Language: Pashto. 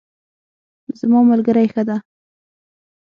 زما ملګری ښه ده